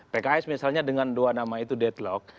pks misalnya dengan dua nama itu deadlock